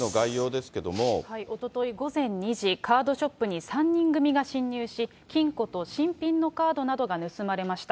おととい午前２時、カードショップに３人組が侵入し、金庫と新品のカードなどが盗まれました。